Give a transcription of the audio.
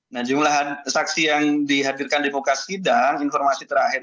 nah jumlah saksi yang dihadirkan di buka sidang informasi terakhir